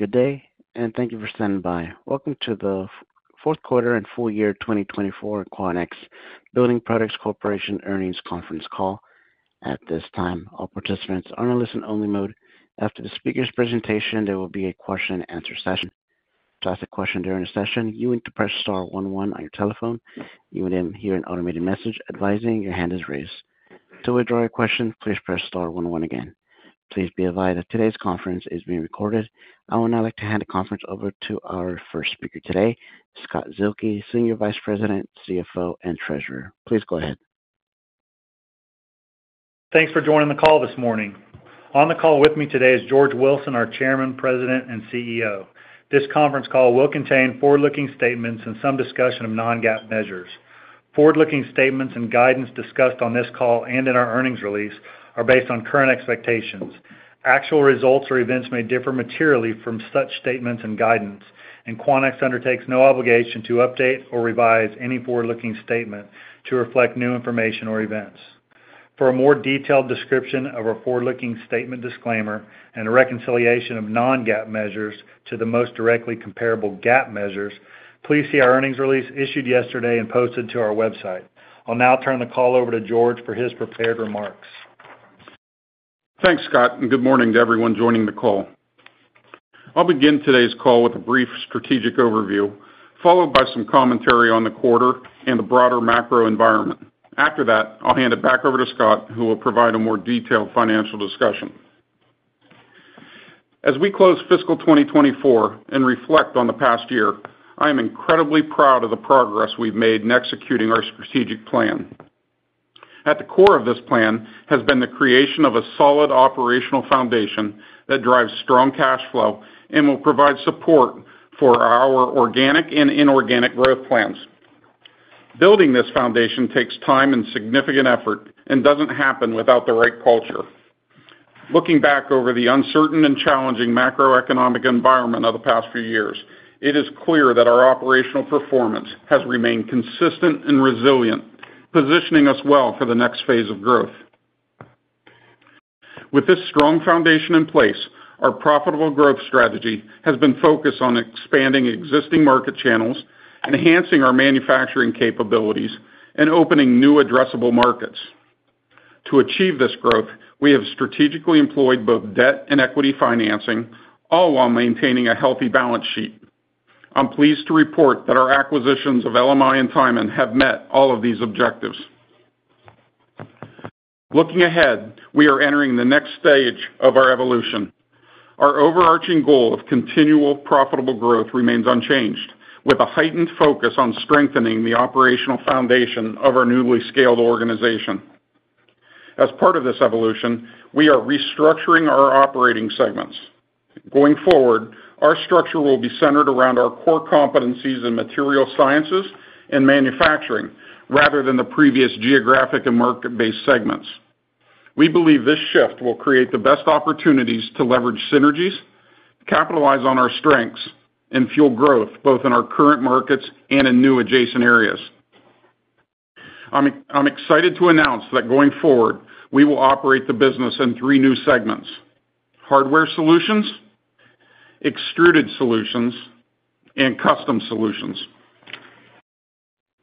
Good day, and thank you for standing by. Welcome to the fourth quarter and full year 2024 Quanex Building Products Corporation earnings conference call. At this time, all participants are in a listen-only mode. After the speaker's presentation, there will be a question and answer session. To ask a question during the session, you need to press star one one on your telephone. You will then hear an automated message advising your hand is raised. To withdraw your question, please press star one one again. Please be advised that today's conference is being recorded. I would now like to hand the conference over to our first speaker today, Scott Zuehlke, Senior Vice President, CFO, and Treasurer. Please go ahead. Thanks for joining the call this morning. On the call with me today is George Wilson, our Chairman, President, and CEO. This conference call will contain forward-looking statements and some discussion of non-GAAP measures. Forward-looking statements and guidance discussed on this call and in our earnings release are based on current expectations. Actual results or events may differ materially from such statements and guidance, and Quanex undertakes no obligation to update or revise any forward-looking statement to reflect new information or events. For a more detailed description of our forward-looking statement disclaimer and a reconciliation of non-GAAP measures to the most directly comparable GAAP measures, please see our earnings release issued yesterday and posted to our website. I'll now turn the call over to George for his prepared remarks. Thanks, Scott, and good morning to everyone joining the call. I'll begin today's call with a brief strategic overview, followed by some commentary on the quarter and the broader macro environment. After that, I'll hand it back over to Scott, who will provide a more detailed financial discussion. As we close fiscal 2024 and reflect on the past year, I am incredibly proud of the progress we've made in executing our strategic plan. At the core of this plan has been the creation of a solid operational foundation that drives strong cash flow and will provide support for our organic and inorganic growth plans. Building this foundation takes time and significant effort and doesn't happen without the right culture. Looking back over the uncertain and challenging macroeconomic environment of the past few years, it is clear that our operational performance has remained consistent and resilient, positioning us well for the next phase of growth. With this strong foundation in place, our profitable growth strategy has been focused on expanding existing market channels, enhancing our manufacturing capabilities, and opening new addressable markets. To achieve this growth, we have strategically employed both debt and equity financing, all while maintaining a healthy balance sheet. I'm pleased to report that our acquisitions of LMI and Tyman have met all of these objectives. Looking ahead, we are entering the next stage of our evolution. Our overarching goal of continual profitable growth remains unchanged, with a heightened focus on strengthening the operational foundation of our newly scaled organization. As part of this evolution, we are restructuring our operating segments. Going forward, our structure will be centered around our core competencies in material sciences and manufacturing rather than the previous geographic and market-based segments. We believe this shift will create the best opportunities to leverage synergies, capitalize on our strengths, and fuel growth both in our current markets and in new adjacent areas. I'm excited to announce that going forward, we will operate the business in three new segments: hardware solutions, extruded solutions, and custom solutions.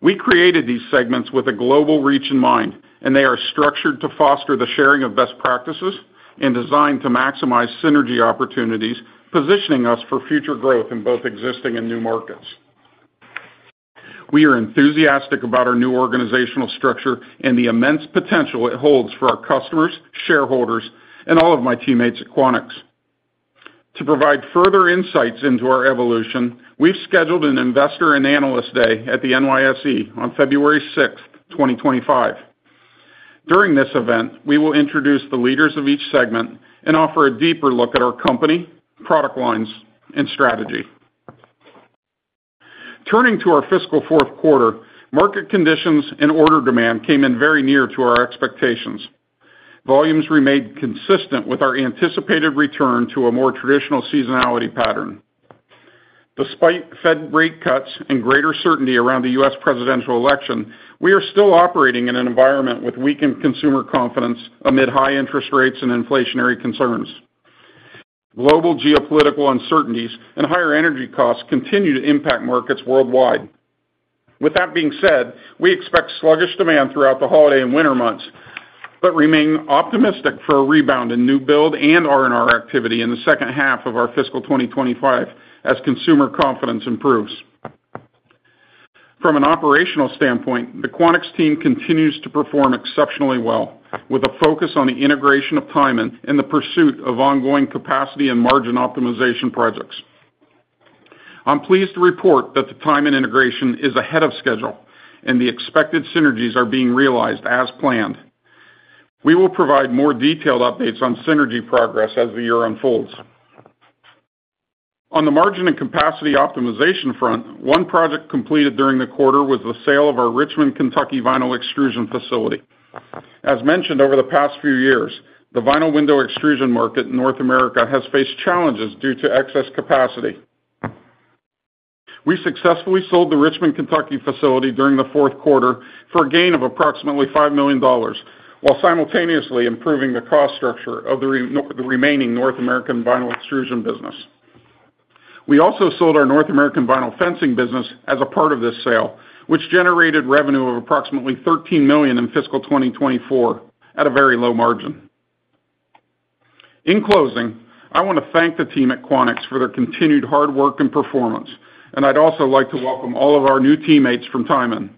We created these segments with a global reach in mind, and they are structured to foster the sharing of best practices and designed to maximize synergy opportunities, positioning us for future growth in both existing and new markets. We are enthusiastic about our new organizational structure and the immense potential it holds for our customers, shareholders, and all of my teammates at Quanex. To provide further insights into our evolution, we've scheduled an Investor and Analyst Day at the NYSE on February 6th, 2025. During this event, we will introduce the leaders of each segment and offer a deeper look at our company, product lines, and strategy. Turning to our fiscal fourth quarter, market conditions and order demand came in very near to our expectations. Volumes remained consistent with our anticipated return to a more traditional seasonality pattern. Despite Fed rate cuts and greater certainty around the U.S. presidential election, we are still operating in an environment with weakened consumer confidence amid high interest rates and inflationary concerns. Global geopolitical uncertainties and higher energy costs continue to impact markets worldwide. With that being said, we expect sluggish demand throughout the holiday and winter months, but remain optimistic for a rebound in new build and R&R activity in the second half of our fiscal 2025 as consumer confidence improves. From an operational standpoint, the Quanex team continues to perform exceptionally well, with a focus on the integration of Tyman and the pursuit of ongoing capacity and margin optimization projects. I'm pleased to report that the Tyman integration is ahead of schedule, and the expected synergies are being realized as planned. We will provide more detailed updates on synergy progress as the year unfolds. On the margin and capacity optimization front, one project completed during the quarter was the sale of our Richmond, Kentucky vinyl extrusion facility. As mentioned over the past few years, the vinyl window extrusion market in North America has faced challenges due to excess capacity. We successfully sold the Richmond, Kentucky facility during the fourth quarter for a gain of approximately $5 million, while simultaneously improving the cost structure of the remaining North American vinyl extrusion business. We also sold our North American vinyl fencing business as a part of this sale, which generated revenue of approximately $13 million in fiscal 2024 at a very low margin. In closing, I want to thank the team at Quanex for their continued hard work and performance, and I'd also like to welcome all of our new teammates from Tyman.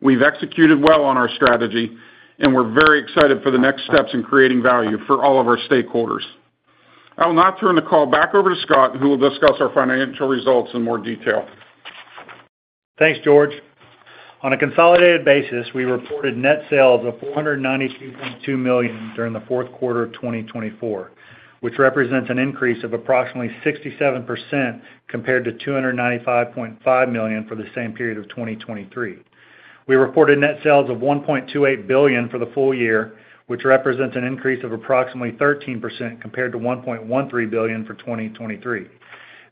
We've executed well on our strategy, and we're very excited for the next steps in creating value for all of our stakeholders. I will now turn the call back over to Scott, who will discuss our financial results in more detail. Thanks, George. On a consolidated basis, we reported net sales of $492.2 million during the fourth quarter of 2024, which represents an increase of approximately 67% compared to $295.5 million for the same period of 2023. We reported net sales of $1.28 billion for the full year, which represents an increase of approximately 13% compared to $1.13 billion for 2023.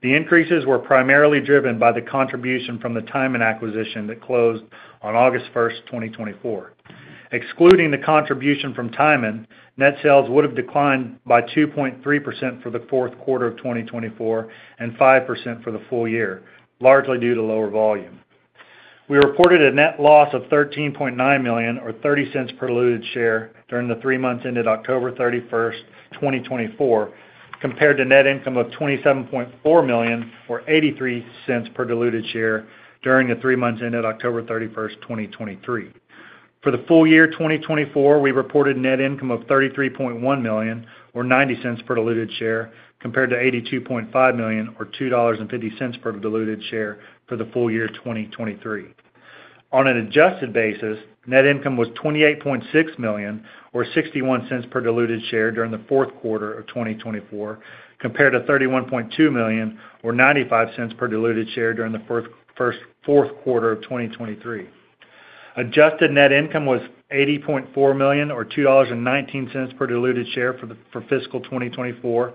The increases were primarily driven by the contribution from the Tyman acquisition that closed on August 1st, 2024. Excluding the contribution from Tyman, net sales would have declined by 2.3% for the fourth quarter of 2024 and 5% for the full year, largely due to lower volume. We reported a net loss of $13.9 million, or $0.30 per diluted share, during the three months ended October 31st, 2024, compared to net income of $27.4 million, or $0.83 per diluted share, during the three months ended October 31st, 2023. For the full year 2024, we reported net income of $33.1 million, or $0.90 per diluted share, compared to $82.5 million, or $2.50 per diluted share for the full year 2023. On an adjusted basis, net income was $28.6 million, or $0.61 per diluted share during the fourth quarter of 2024, compared to $31.2 million, or $0.95 per diluted share during the fourth quarter of 2023. Adjusted net income was $80.4 million, or $2.19 per diluted share for fiscal 2024,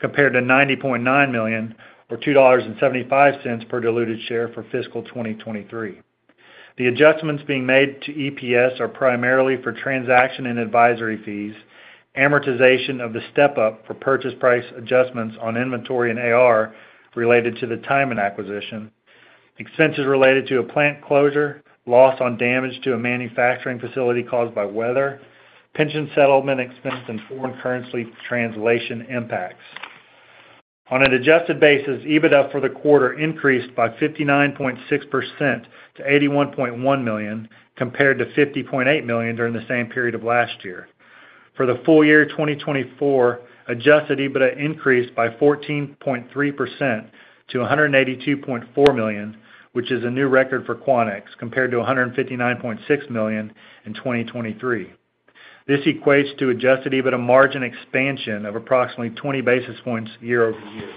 compared to $90.9 million, or $2.75 per diluted share for fiscal 2023. The adjustments being made to EPS are primarily for transaction and advisory fees, amortization of the step-up for purchase price adjustments on inventory and AR related to the Tyman acquisition, expenses related to a plant closure, loss on damage to a manufacturing facility caused by weather, pension settlement expense, and foreign currency translation impacts. On an adjusted basis, adjusted EBITDA for the quarter increased by 59.6% to $81.1 million, compared to $50.8 million during the same period of last year. For the full year 2024, adjusted EBITDA increased by 14.3% to $182.4 million, which is a new record for Quanex, compared to $159.6 million in 2023. This equates to adjusted EBITDA margin expansion of approximately 20 basis points year-over-year.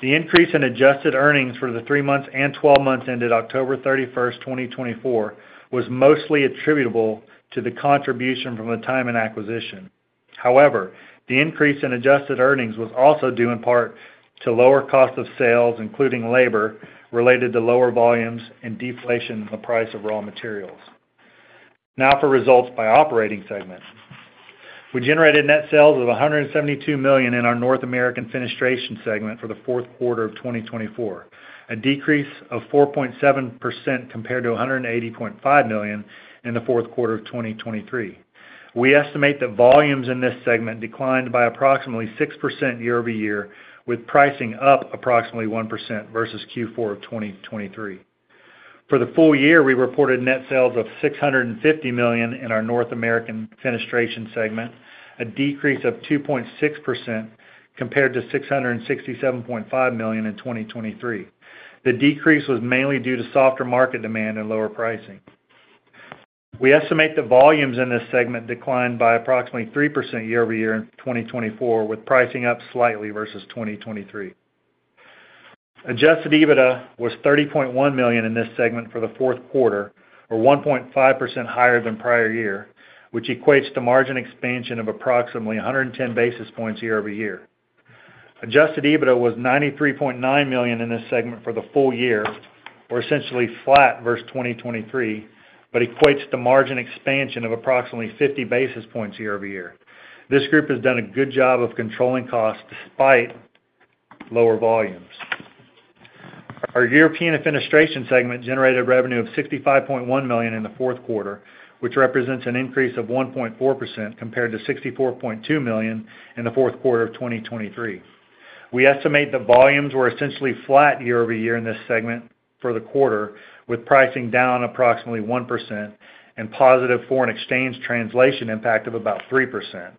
The increase in adjusted earnings for the three months and 12 months ended October 31st, 2024, was mostly attributable to the contribution from the Tyman acquisition. However, the increase in adjusted earnings was also due in part to lower cost of sales, including labor, related to lower volumes and deflation in the price of raw materials. Now for results by operating segment. We generated net sales of $172 million in our North American fenestration segment for the fourth quarter of 2024. A decrease of 4.7% compared to $180.5 million in the fourth quarter of 2023. We estimate that volumes in this segment declined by approximately 6% year-over-year, with pricing up approximately 1% versus Q4 of 2023. For the full year, we reported net sales of $650 million in our North American fenestration segment, a decrease of 2.6% compared to $667.5 million in 2023. The decrease was mainly due to softer market demand and lower pricing. We estimate that volumes in this segment declined by approximately 3% year-over-year in 2024, with pricing up slightly versus 2023. Adjusted EBITDA was $30.1 million in this segment for the fourth quarter, or 1.5% higher than prior year, which equates to margin expansion of approximately 110 basis points year-over-year. Adjusted EBITDA was $93.9 million in this segment for the full year, or essentially flat versus 2023, but equates to margin expansion of approximately 50 basis points year-over-year. This group has done a good job of controlling costs despite lower volumes. Our European fenestration segment generated revenue of $65.1 million in the fourth quarter, which represents an increase of 1.4% compared to $64.2 million in the fourth quarter of 2023. We estimate that volumes were essentially flat year-over-year in this segment for the quarter, with pricing down approximately 1% and positive foreign exchange translation impact of about 3%.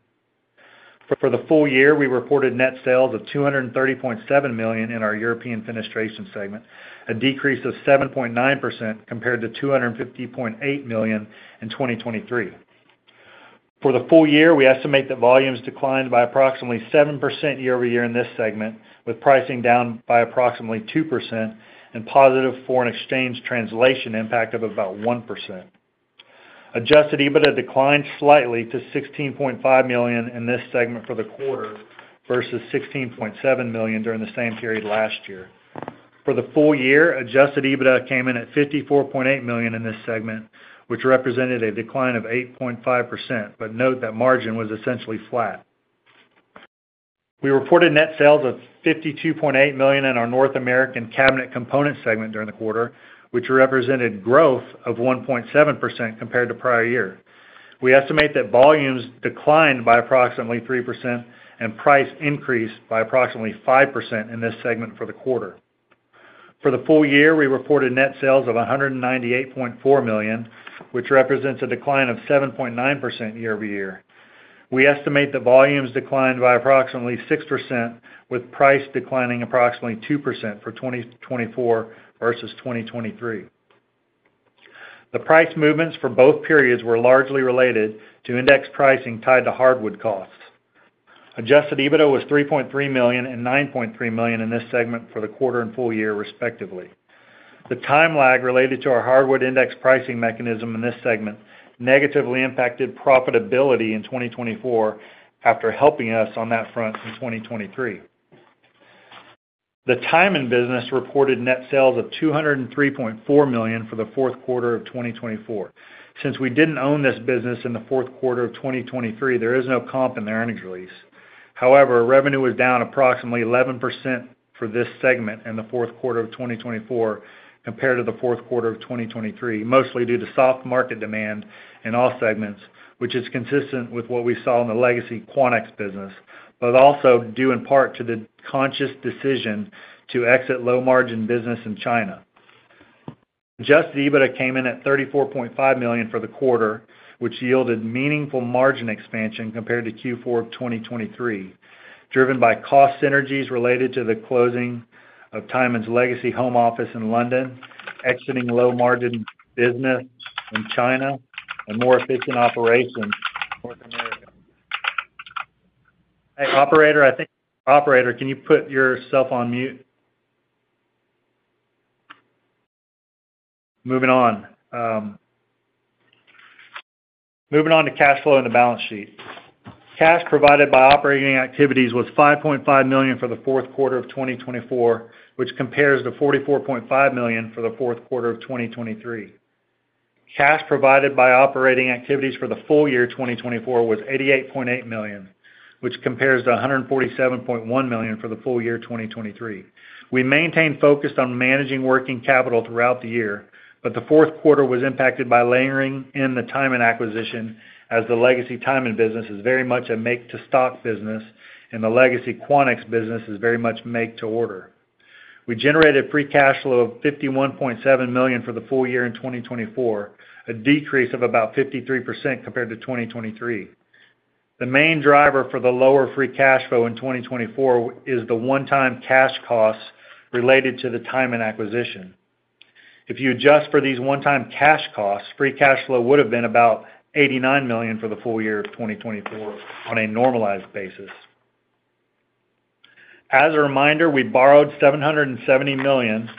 For the full year, we reported net sales of $230.7 million in our European fenestration segment, a decrease of 7.9% compared to $250.8 million in 2023. For the full year, we estimate that volumes declined by approximately 7% year-over-year in this segment, with pricing down by approximately 2% and positive foreign exchange translation impact of about 1%. Adjusted EBITDA declined slightly to $16.5 million in this segment for the quarter versus $16.7 million during the same period last year. For the full year, adjusted EBITDA came in at $54.8 million in this segment, which represented a decline of 8.5%, but note that margin was essentially flat. We reported net sales of $52.8 million in our North American cabinet component segment during the quarter, which represented growth of 1.7% compared to prior year. We estimate that volumes declined by approximately 3% and price increased by approximately 5% in this segment for the quarter. For the full year, we reported net sales of $198.4 million, which represents a decline of 7.9% year-over-year. We estimate that volumes declined by approximately 6%, with price declining approximately 2% for 2024 versus 2023. The price movements for both periods were largely related to index pricing tied to hardwood costs. Adjusted EBITDA was $3.3 million and $9.3 million in this segment for the quarter and full year, respectively. The time lag related to our hardwood index pricing mechanism in this segment negatively impacted profitability in 2024 after helping us on that front in 2023. The Tyman business reported net sales of $203.4 million for the fourth quarter of 2024. Since we didn't own this business in the fourth quarter of 2023, there is no comp in the earnings release. However, revenue was down approximately 11% for this segment in the fourth quarter of 2024 compared to the fourth quarter of 2023, mostly due to soft market demand in all segments, which is consistent with what we saw in the legacy Quanex business, but also due in part to the conscious decision to exit low-margin business in China. Adjusted EBITDA came in at $34.5 million for the quarter, which yielded meaningful margin expansion compared to Q4 of 2023, driven by cost synergies related to the closing of Tyman's legacy home office in London, exiting low-margin business in China, and more efficient operations in North America. Hey, operator, I think operator, can you put yourself on mute? Moving on. Moving on to cash flow in the balance sheet. Cash provided by operating activities was $5.5 million for the fourth quarter of 2024, which compares to $44.5 million for the fourth quarter of 2023. Cash provided by operating activities for the full year 2024 was $88.8 million, which compares to $147.1 million for the full year 2023. We maintained focus on managing working capital throughout the year, but the fourth quarter was impacted by layering in the Tyman acquisition, as the legacy Tyman business is very much a make-to-stock business, and the legacy Quanex business is very much make-to-order. We generated free cash flow of $51.7 million for the full year in 2024, a decrease of about 53% compared to 2023. The main driver for the lower free cash flow in 2024 is the one-time cash costs related to the Tyman acquisition. If you adjust for these one-time cash costs, free cash flow would have been about $89 million for the full year of 2024 on a normalized basis. As a reminder, we borrowed $770 million,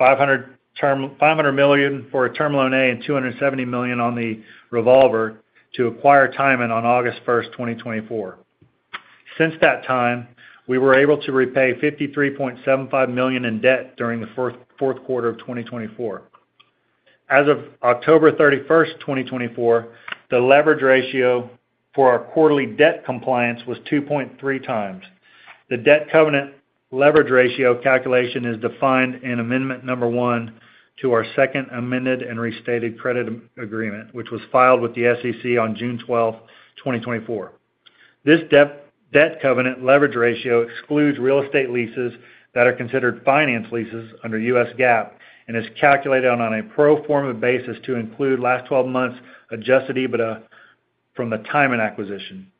$500 million for a Term Loan A, and $270 million on the revolver to acquire Tyman on August 1st, 2024. Since that time, we were able to repay $53.75 million in debt during the fourth quarter of 2024. As of October 31st, 2024, the leverage ratio for our quarterly debt compliance was 2.3x. The debt covenant leverage ratio calculation is defined in Amendment Number 1 to our Second Amended and Restated Credit Agreement, which was filed with the SEC on June 12th, 2024. This debt covenant leverage ratio excludes real estate leases that are considered finance leases under U.S. GAAP and is calculated on a pro forma basis to include last 12 months adjusted EBITDA from the Tyman acquisition.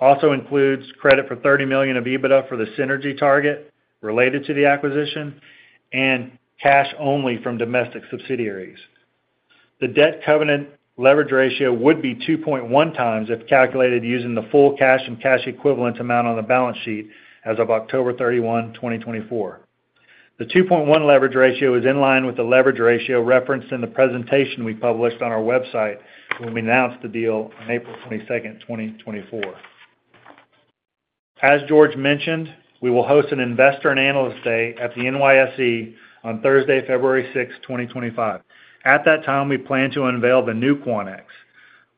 Also includes credit for $30 million of EBITDA for the synergy target related to the acquisition and cash only from domestic subsidiaries. The debt covenant leverage ratio would be 2.1x if calculated using the full cash and cash equivalent amount on the balance sheet as of October 31, 2024. The 2.1 leverage ratio is in line with the leverage ratio referenced in the presentation we published on our website when we announced the deal on April 22nd, 2024. As George mentioned, we will host an Investor and Analyst Day at the NYSE on Thursday, February 6th, 2025. At that time, we plan to unveil the new Quanex,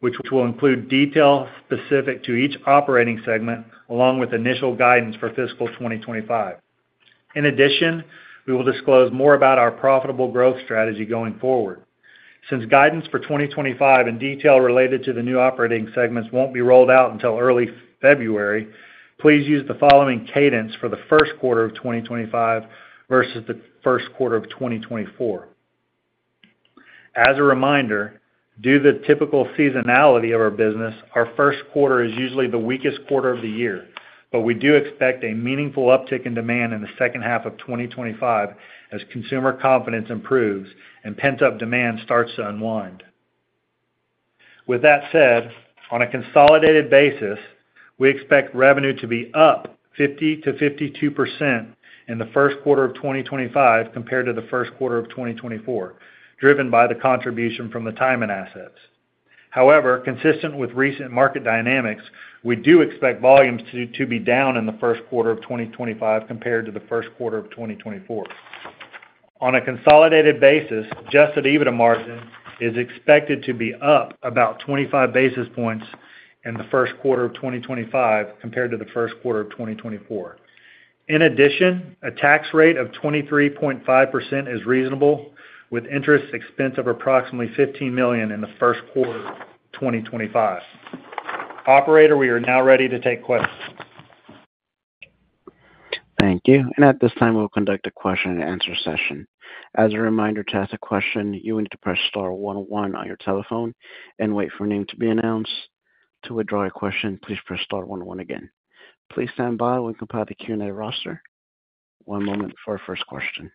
which will include details specific to each operating segment, along with initial guidance for fiscal 2025. In addition, we will disclose more about our profitable growth strategy going forward. Since guidance for 2025 and detail related to the new operating segments won't be rolled out until early February, please use the following cadence for the first quarter of 2025 versus the first quarter of 2024. As a reminder, due to the typical seasonality of our business, our first quarter is usually the weakest quarter of the year, but we do expect a meaningful uptick in demand in the second half of 2025 as consumer confidence improves and pent-up demand starts to unwind. With that said, on a consolidated basis, we expect revenue to be up 50%-52% in the first quarter of 2025 compared to the first quarter of 2024, driven by the contribution from the Tyman assets. However, consistent with recent market dynamics, we do expect volumes to be down in the first quarter of 2025 compared to the first quarter of 2024. On a consolidated basis, adjusted EBITDA margin is expected to be up about 25 basis points in the first quarter of 2025 compared to the first quarter of 2024. In addition, a tax rate of 23.5% is reasonable, with interest expense of approximately $15 million in the first quarter of 2025. Operator, we are now ready to take questions. Thank you. And at this time, we'll conduct a question and answer session. As a reminder to ask a question, you will need to press star one zero one on your telephone and wait for a name to be announced. To withdraw your question, please press star one zero one again. Please stand by while we compile the Q&A roster. One moment for our first question.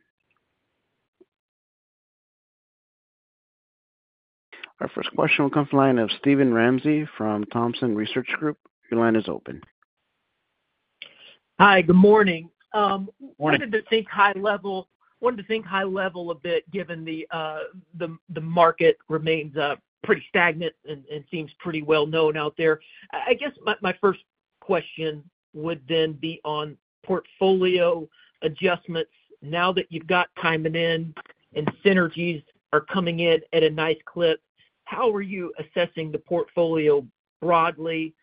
Our first question will come from the line of Steven Ramsey from Thompson Research Group. Your line is open. Hi, good morning. I wanted to think high level a bit given the market remains pretty stagnant and seems pretty well-known out there. I guess my first question would then be on portfolio adjustments. Now that you've got Tyman in and synergies are coming in at a nice clip, how are you assessing the portfolio broadly?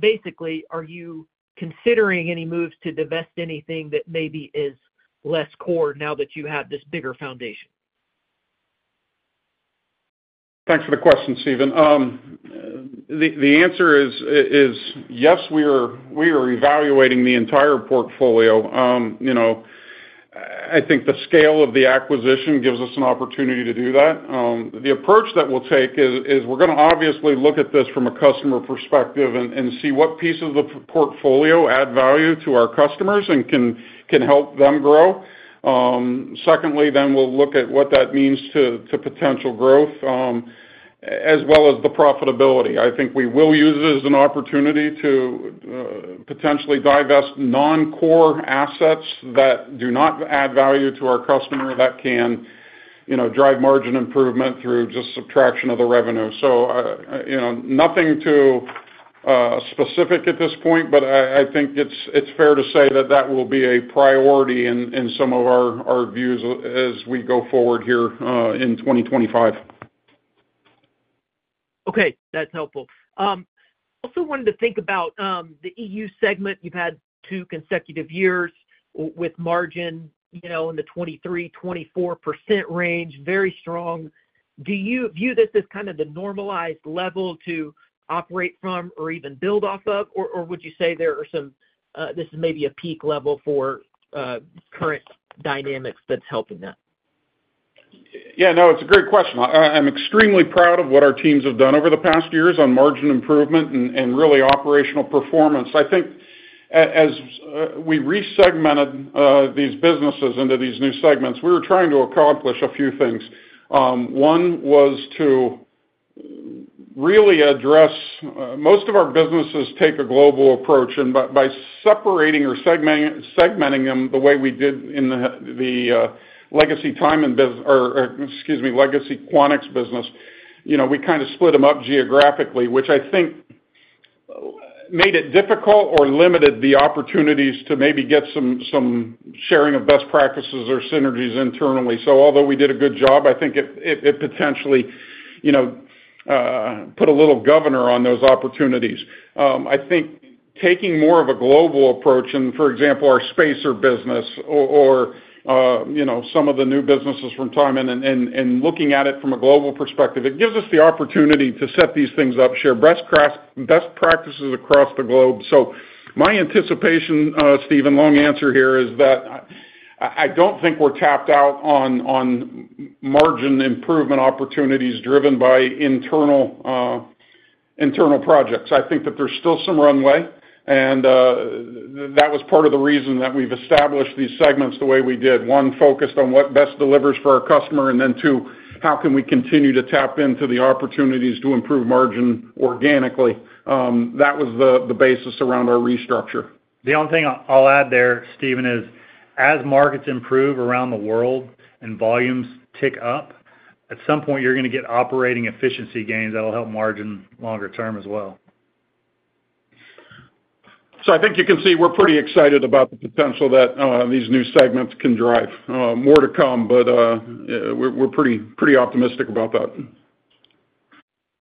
Basically, are you considering any moves to divest anything that maybe is less core now that you have this bigger foundation? Thanks for the question, Steven. The answer is yes, we are evaluating the entire portfolio. I think the scale of the acquisition gives us an opportunity to do that. The approach that we'll take is we're going to obviously look at this from a customer perspective and see what pieces of the portfolio add value to our customers and can help them grow. Secondly, then we'll look at what that means to potential growth as well as the profitability. I think we will use it as an opportunity to potentially divest non-core assets that do not add value to our customer that can drive margin improvement through just subtraction of the revenue. So nothing too specific at this point, but I think it's fair to say that that will be a priority in some of our views as we go forward here in 2025. Okay, that's helpful. Also wanted to think about the EU segment. You've had two consecutive years with margin in the 23%-24% range, very strong. Do you view this as kind of the normalized level to operate from or even build off of, or would you say this is maybe a peak level for current dynamics that's helping that? Yeah, no, it's a great question. I'm extremely proud of what our teams have done over the past years on margin improvement and really operational performance. I think as we resegmented these businesses into these new segments, we were trying to accomplish a few things. One was to really address most of our businesses take a global approach. And by separating or segmenting them the way we did in the legacy Tyman business or, excuse me, legacy Quanex business, we kind of split them up geographically, which I think made it difficult or limited the opportunities to maybe get some sharing of best practices or synergies internally. So although we did a good job, I think it potentially put a little governor on those opportunities. I think taking more of a global approach, and for example, our spacer business or some of the new businesses from Tyman and looking at it from a global perspective, it gives us the opportunity to set these things up, share best practices across the globe. So my anticipation, Steven, long answer here is that I don't think we're tapped out on margin improvement opportunities driven by internal projects. I think that there's still some runway, and that was part of the reason that we've established these segments the way we did. One, focused on what best delivers for our customer, and then two, how can we continue to tap into the opportunities to improve margin organically? That was the basis around our restructure. The only thing I'll add there, Steven, is as markets improve around the world and volumes tick up, at some point you're going to get operating efficiency gains that'll help margin longer term as well. So I think you can see we're pretty excited about the potential that these new segments can drive. More to come, but we're pretty optimistic about that.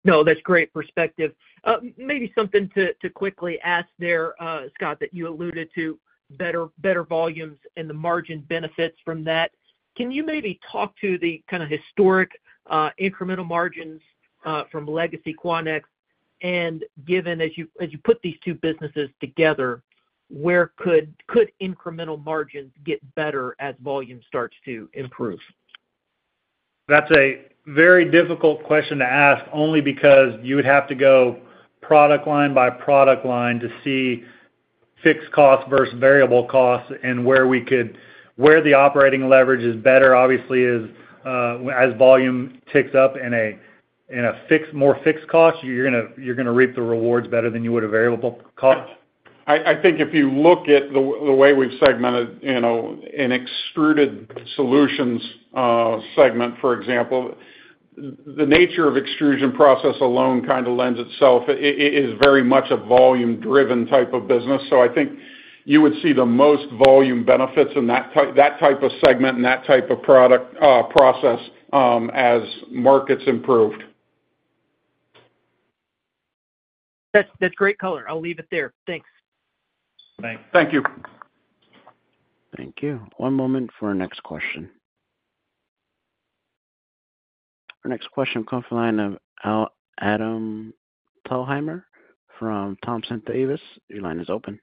No, that's great perspective. Maybe something to quickly ask there, Scott, that you alluded to better volumes and the margin benefits from that. Can you maybe talk to the kind of historic incremental margins from legacy Quanex? And given as you put these two businesses together, where could incremental margins get better as volume starts to improve? That's a very difficult question to ask only because you would have to go product line by product line to see fixed costs versus variable costs and where the operating leverage is better, obviously, as volume ticks up in a more fixed cost, you're going to reap the rewards better than you would a variable cost. I think if you look at the way we've segmented in extruded solutions segment, for example, the nature of extrusion process alone kind of lends itself, it's very much a volume-driven type of business, so I think you would see the most volume benefits in that type of segment and that type of product process as markets improved. That's great color. I'll leave it there. Thanks. Thank you. Thank you. One moment for our next question. Our next question comes from the line of Adam Thalhimer from Thompson Davis. Your line is open.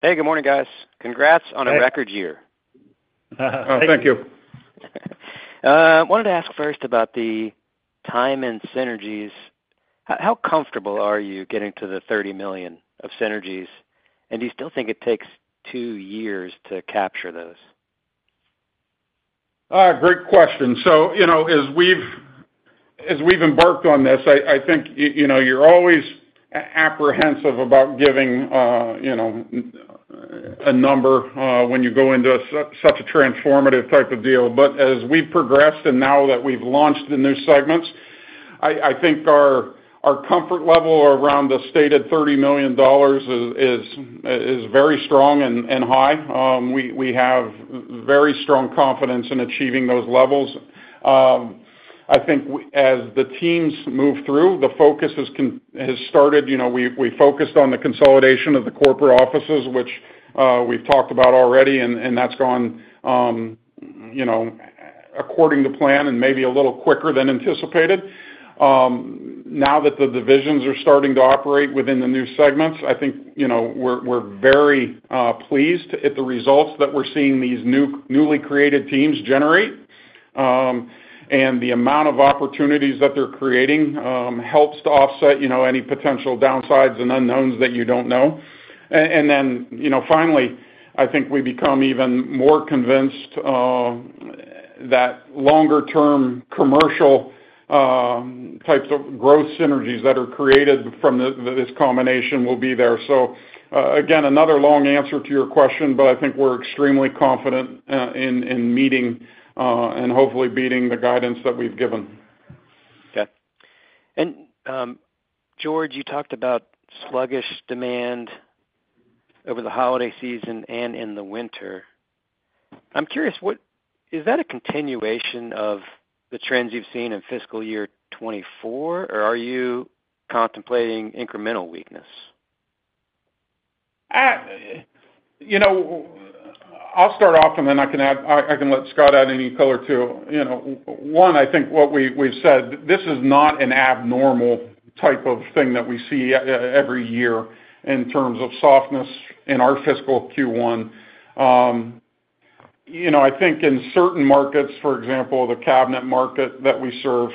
Hey, good morning, guys. Congrats on a record year. Thank you. I wanted to ask first about the Tyman synergies. How comfortable are you getting to the $30 million of synergies? And do you still think it takes two years to capture those? Great question. So as we've embarked on this, I think you're always apprehensive about giving a number when you go into such a transformative type of deal. But as we've progressed and now that we've launched the new segments, I think our comfort level around the stated $30 million is very strong and high. We have very strong confidence in achieving those levels. I think as the teams move through, the focus has started. We focused on the consolidation of the corporate offices, which we've talked about already, and that's gone according to plan and maybe a little quicker than anticipated. Now that the divisions are starting to operate within the new segments, I think we're very pleased at the results that we're seeing these newly created teams generate. And the amount of opportunities that they're creating helps to offset any potential downsides and unknowns that you don't know. And then finally, I think we become even more convinced that longer-term commercial types of growth synergies that are created from this combination will be there. So again, another long answer to your question, but I think we're extremely confident in meeting and hopefully beating the guidance that we've given. Okay. And George, you talked about sluggish demand over the holiday season and in the winter. I'm curious, is that a continuation of the trends you've seen in fiscal year 2024, or are you contemplating incremental weakness? I'll start off, and then I can let Scott add any color to it. One, I think what we've said, this is not an abnormal type of thing that we see every year in terms of softness in our fiscal Q1. I think in certain markets, for example, the cabinet market that we serve,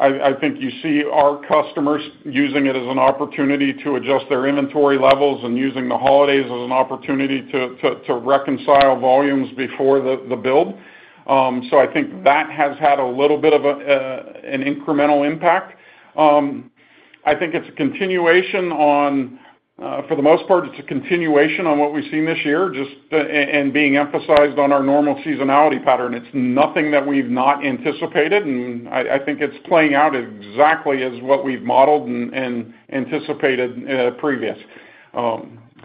I think you see our customers using it as an opportunity to adjust their inventory levels and using the holidays as an opportunity to reconcile volumes before the build. So I think that has had a little bit of an incremental impact. I think it's a continuation on, for the most part, it's a continuation on what we've seen this year and being emphasized on our normal seasonality pattern. It's nothing that we've not anticipated, and I think it's playing out exactly as what we've modeled and anticipated previous.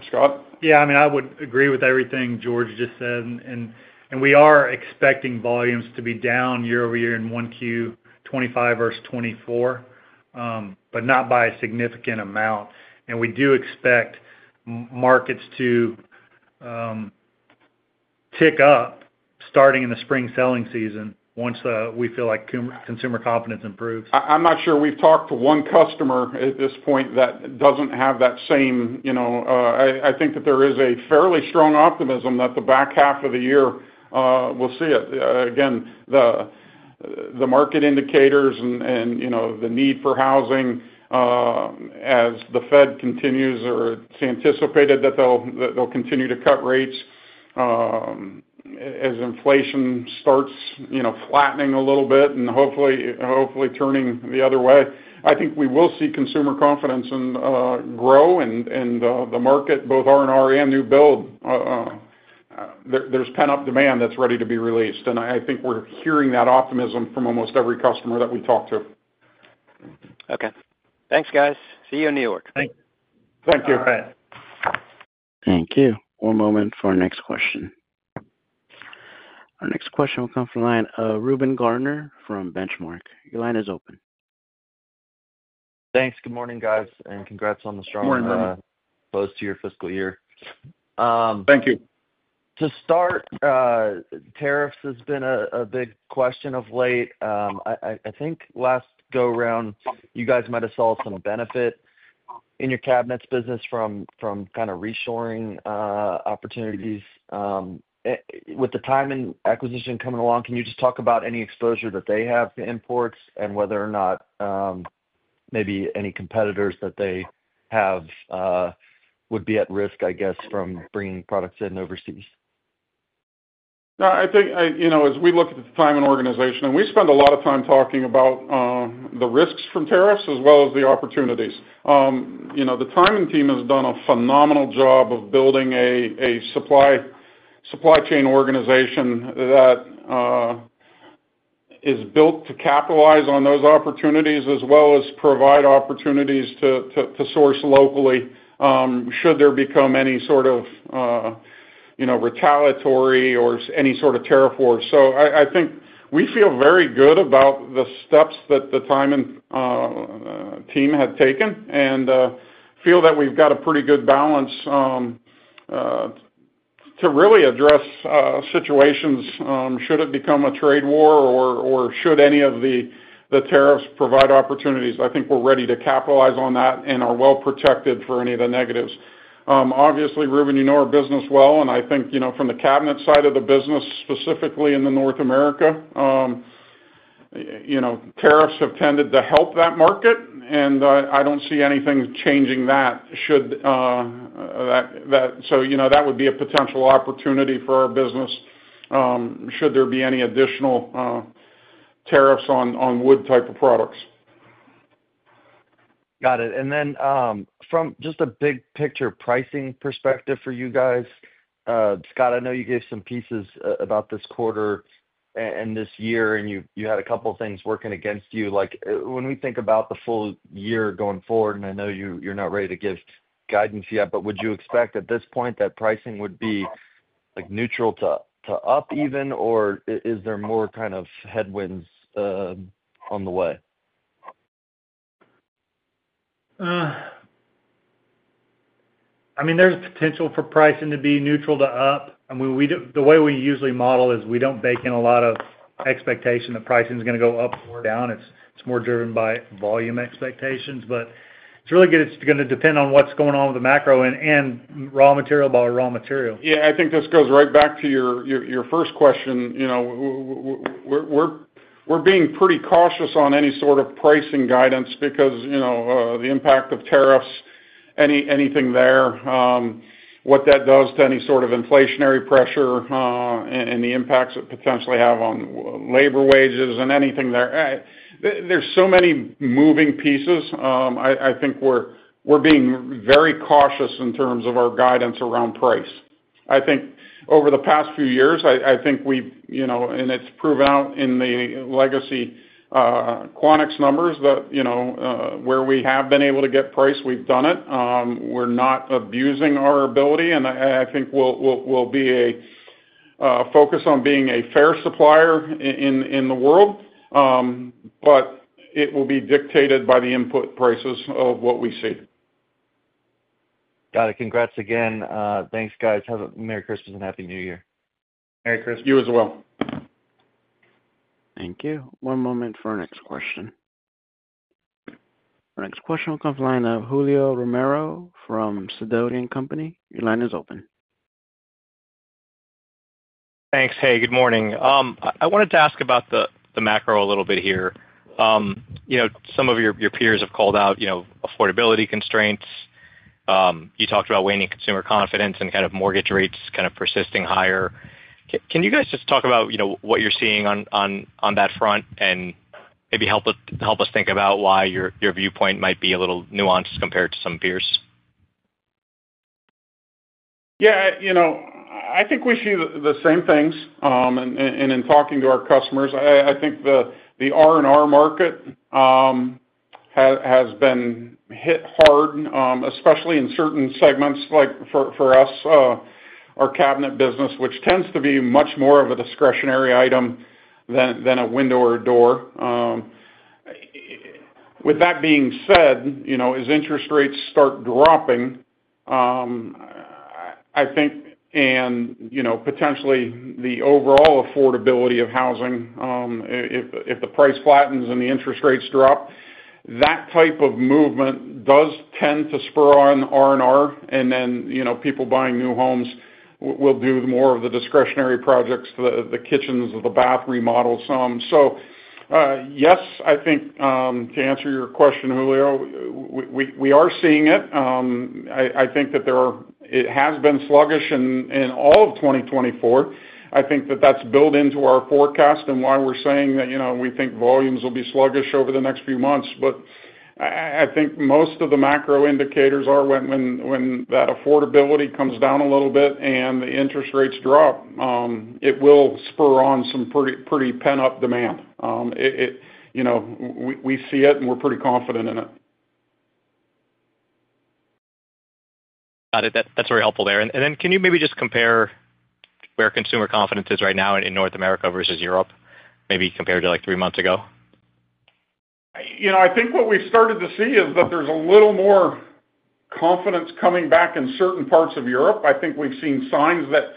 Scott? Yeah, I mean, I would agree with everything George just said, and we are expecting volumes to be down year-over-year in 1Q 2025 versus 2024, but not by a significant amount, and we do expect markets to tick up starting in the spring selling season once we feel like consumer confidence improves. I'm not sure we've talked to one customer at this point that doesn't have that same. I think that there is a fairly strong optimism that the back half of the year we'll see it. Again, the market indicators and the need for housing as the Fed continues or it's anticipated that they'll continue to cut rates as inflation starts flattening a little bit and hopefully turning the other way. I think we will see consumer confidence grow and the market, both R&R and new build, there's pent-up demand that's ready to be released, and I think we're hearing that optimism from almost every customer that we talk to. Okay. Thanks, guys. See you in New York. Thank you. Thank you. One moment for our next question. Our next question will come from the line of Reuben Garner from Benchmark. Your line is open. Thanks. Good morning, guys, and congrats on the strong close to your fiscal year. Thank you. To start, tariffs has been a big question of late. I think last go-round, you guys might have saw some benefit in your cabinets business from kind of reshoring opportunities. With the Tyman acquisition coming along, can you just talk about any exposure that they have to imports and whether or not maybe any competitors that they have would be at risk, I guess, from bringing products in overseas? I think as we look at the Tyman organization, and we spend a lot of time talking about the risks from tariffs as well as the opportunities. The Tyman team has done a phenomenal job of building a supply chain organization that is built to capitalize on those opportunities as well as provide opportunities to source locally should there become any sort of retaliatory or any sort of tariff war. So I think we feel very good about the steps that the Tyman team had taken and feel that we've got a pretty good balance to really address situations should it become a trade war or should any of the tariffs provide opportunities. I think we're ready to capitalize on that and are well protected for any of the negatives. Obviously, Reuben, you know our business well, and I think from the cabinet side of the business, specifically in North America, tariffs have tended to help that market, and I don't see anything changing that. So that would be a potential opportunity for our business should there be any additional tariffs on wood type of products. Got it. And then from just a big picture pricing perspective for you guys, Scott, I know you gave some pieces about this quarter and this year, and you had a couple of things working against you. When we think about the full year going forward, and I know you're not ready to give guidance yet, but would you expect at this point that pricing would be neutral to up even, or is there more kind of headwinds on the way? I mean, there's potential for pricing to be neutral to up. I mean, the way we usually model is we don't bake in a lot of expectation that pricing is going to go up or down. It's more driven by volume expectations. But it's really going to depend on what's going on with the macro and raw material by raw material. Yeah, I think this goes right back to your first question. We're being pretty cautious on any sort of pricing guidance because the impact of tariffs, anything there, what that does to any sort of inflationary pressure and the impacts it potentially have on labor wages and anything there. There's so many moving pieces. I think we're being very cautious in terms of our guidance around price. I think over the past few years, I think we've, and it's proven out in the legacy Quanex numbers that where we have been able to get price, we've done it. We're not abusing our ability, and I think we'll be focused on being a fair supplier in the world, but it will be dictated by the input prices of what we see. Got it. Congrats again. Thanks, guys. Have a Merry Christmas and Happy New Year. Merry Christmas. You as well. Thank you. One moment for our next question. Our next question will come from the line of Julio Romero from Sidoti & Company. Your line is open. Thanks. Hey, good morning. I wanted to ask about the macro a little bit here. Some of your peers have called out affordability constraints. You talked about waning consumer confidence and kind of mortgage rates kind of persisting higher. Can you guys just talk about what you're seeing on that front and maybe help us think about why your viewpoint might be a little nuanced compared to some peers? Yeah. I think we see the same things. And in talking to our customers, I think the R&R market has been hit hard, especially in certain segments for us, our cabinet business, which tends to be much more of a discretionary item than a window or a door. With that being said, as interest rates start dropping, I think, and potentially the overall affordability of housing, if the price flattens and the interest rates drop, that type of movement does tend to spur on R&R. And then people buying new homes will do more of the discretionary projects, the kitchens, the bath remodels, some. So yes, I think to answer your question, Julio, we are seeing it. I think that it has been sluggish in all of 2024. I think that that's built into our forecast and why we're saying that we think volumes will be sluggish over the next few months. But I think most of the macro indicators are when that affordability comes down a little bit and the interest rates drop, it will spur on some pretty pent-up demand. We see it, and we're pretty confident in it. Got it. That's very helpful there, and then can you maybe just compare where consumer confidence is right now in North America versus Europe, maybe compared to like three months ago? I think what we've started to see is that there's a little more confidence coming back in certain parts of Europe. I think we've seen signs that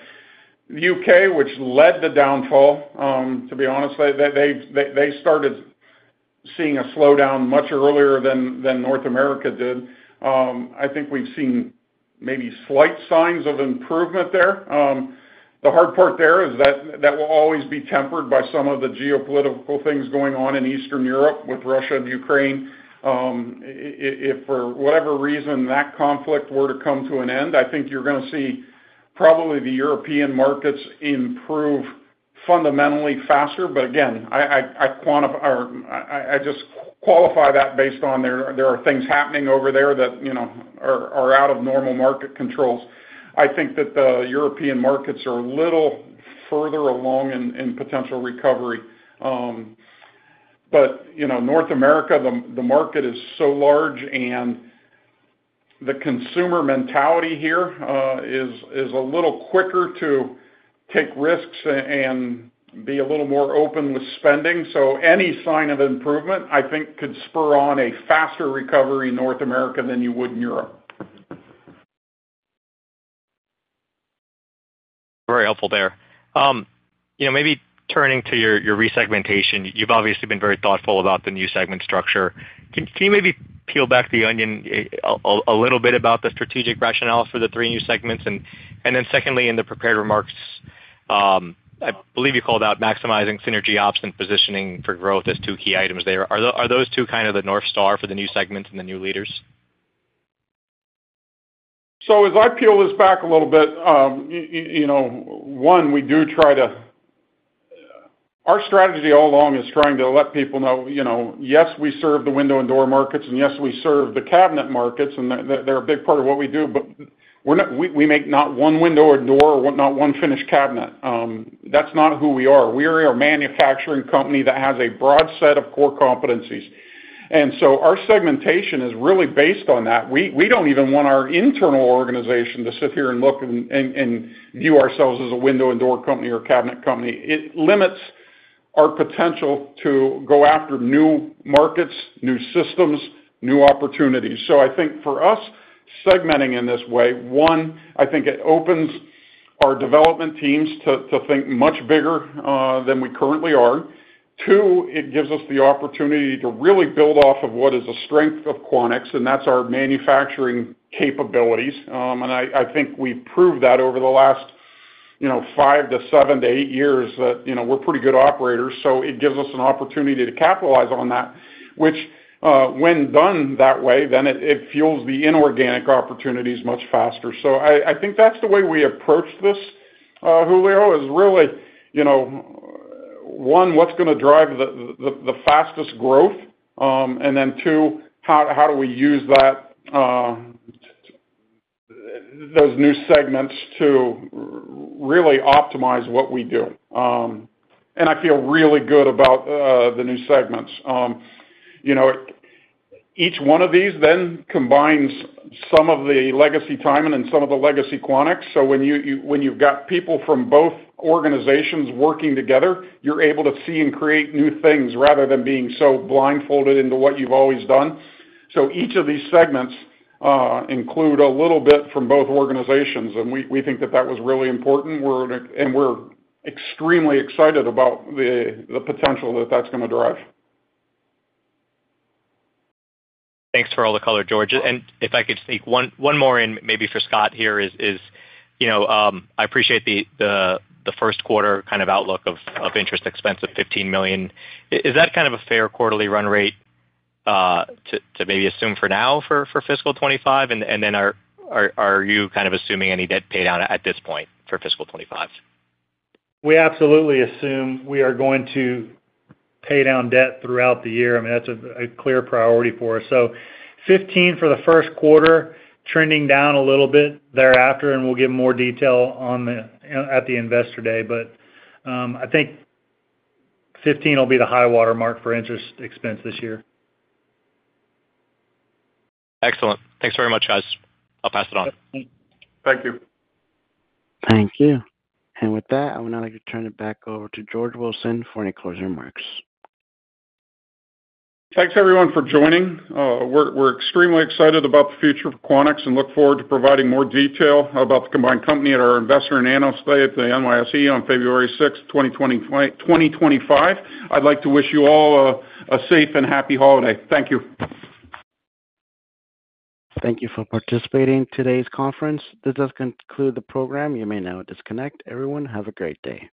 the U.K., which led the downfall, to be honest, they started seeing a slowdown much earlier than North America did. I think we've seen maybe slight signs of improvement there. The hard part there is that that will always be tempered by some of the geopolitical things going on in Eastern Europe with Russia and Ukraine. If for whatever reason that conflict were to come to an end, I think you're going to see probably the European markets improve fundamentally faster. But again, I just qualify that based on there are things happening over there that are out of normal market controls. I think that the European markets are a little further along in potential recovery. But North America, the market is so large, and the consumer mentality here is a little quicker to take risks and be a little more open with spending. So any sign of improvement, I think, could spur on a faster recovery in North America than you would in Europe. Very helpful there. Maybe turning to your re-segmentation, you've obviously been very thoughtful about the new segment structure. Can you maybe peel back the onion a little bit about the strategic rationale for the three new segments? And then secondly, in the prepared remarks, I believe you called out maximizing synergy ops and positioning for growth as two key items there. Are those two kind of the North Star for the new segments and the new leaders? So as I peel this back a little bit, one, we do try to, our strategy all along is trying to let people know, yes, we serve the window and door markets, and yes, we serve the cabinet markets, and they're a big part of what we do, but we make not one window or door or not one finished cabinet. That's not who we are. We are a manufacturing company that has a broad set of core competencies. And so our segmentation is really based on that. We don't even want our internal organization to sit here and look and view ourselves as a window and door company or cabinet company. It limits our potential to go after new markets, new systems, new opportunities. So I think for us, segmenting in this way, one, I think it opens our development teams to think much bigger than we currently are. Two, it gives us the opportunity to really build off of what is a strength of Quanex, and that's our manufacturing capabilities. And I think we've proved that over the last five to seven to eight years that we're pretty good operators. So it gives us an opportunity to capitalize on that, which when done that way, then it fuels the inorganic opportunities much faster. So I think that's the way we approach this, Julio, is really, one, what's going to drive the fastest growth, and then two, how do we use those new segments to really optimize what we do? And I feel really good about the new segments. Each one of these then combines some of the legacy Tyman and some of the legacy Quanex. So when you've got people from both organizations working together, you're able to see and create new things rather than being so blindfolded into what you've always done. So each of these segments include a little bit from both organizations, and we think that that was really important, and we're extremely excited about the potential that that's going to drive. Thanks for all the color, George. And if I could sneak one more in, maybe for Scott here. I appreciate the first quarter kind of outlook of interest expense of $15 million. Is that kind of a fair quarterly run rate to maybe assume for now for fiscal 2025? And then are you kind of assuming any debt pay down at this point for fiscal 2025? We absolutely assume we are going to pay down debt throughout the year. I mean, that's a clear priority for us, so $15 million for the first quarter, trending down a little bit thereafter, and we'll give more detail at the investor day, but I think $15 million will be the high watermark for interest expense this year. Excellent. Thanks very much, guys. I'll pass it on. Thank you. Thank you. And with that, I would now like to turn it back over to George Wilson for any closing remarks. Thanks, everyone, for joining. We're extremely excited about the future for Quanex and look forward to providing more detail about the combined company and our Investor Day at the NYSE on February 6th, 2025. I'd like to wish you all a safe and happy holiday. Thank you. Thank you for participating in today's conference. This does conclude the program. You may now disconnect. Everyone, have a great day.